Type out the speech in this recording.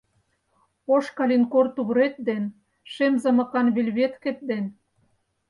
Ош калинкор тувырет ден, шем замокан вильветкет ден